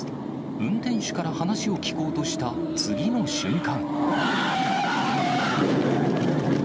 運転手から話を聞こうとした次の瞬間。